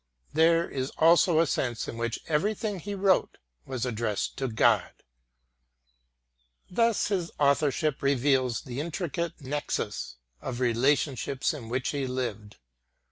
There is also a sense in which everything he wrote was addressed to God. Thus his authorship reveals the intricate nexus of relationships in which he lived.